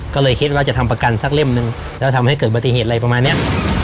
ก็เลยคิดว่าจะทำประกันสักเล่มนึงแล้วทำให้เกิดปฏิเหตุอะไรประมาณเนี้ย